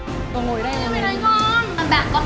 cô ngồi đây này con